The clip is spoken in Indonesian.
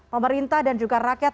pemerintah dan juga rakyat